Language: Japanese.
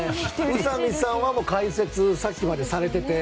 宇佐美さんは解説をさっきまでされていて。